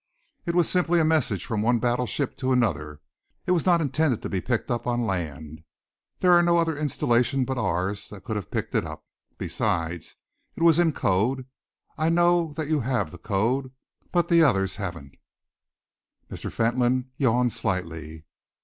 It was simply a message from one battleship to another. It was not intended to be picked up on land. There is no other installation but ours that could have picked it up. Besides, it was in code. I know that you have the code, but the others haven't." Mr. Fentolin yawned slightly.